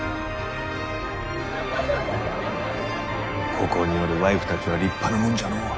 ここにおるワイフたちは立派なもんじゃのう。